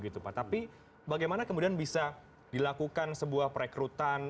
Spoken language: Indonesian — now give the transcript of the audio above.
tapi bagaimana kemudian bisa dilakukan sebuah perekrutan